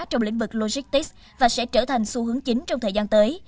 trong lĩnh vực logistics và sẽ trở thành xu hướng chính trong thời gian tới